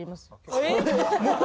えっ！